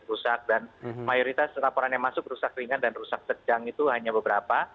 rusak dan mayoritas laporan yang masuk rusak ringan dan rusak terjang itu hanya beberapa